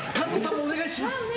お願いします。